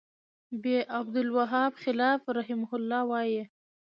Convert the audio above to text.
ب : عبدالوهاب خلاف رحمه الله وایی